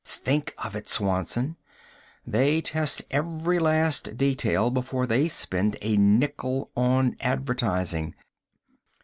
"Think of it, Swanson! They test every last detail before they spend a nickel on advertising!